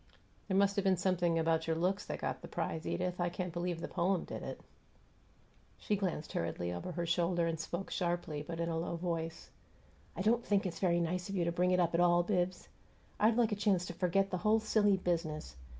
"There must have been something about your looks that got the prize, Edith; I can't believe the poem did it." She glanced hurriedly over her shoulder and spoke sharply, but in a low voice: "I don't think it's very nice of you to bring it up at all, Bibbs. I'd like a chance to forget the whole silly business.